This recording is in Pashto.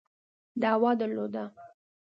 دعوه درلوده.